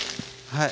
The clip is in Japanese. はい。